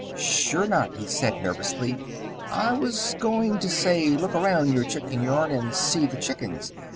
"Sure not," he said nervously. "I was goin' to say look around your chicken yard and see the chickens.